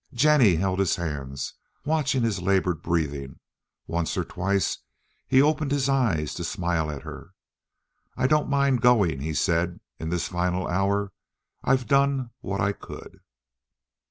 Jennie held his hands, watching his labored breathing; once or twice he opened his eyes to smile at her. "I don't mind going," he said, in this final hour. "I've done what I could."